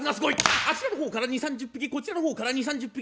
あちらの方から２０３０匹こちらの方から２０３０匹！